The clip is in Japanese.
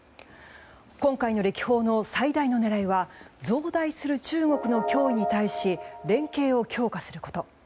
今回の歴訪の最大の狙いは増大する中国の脅威に対し連携を強化すること。